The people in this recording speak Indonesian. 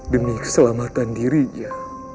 demi keselamatan dirinya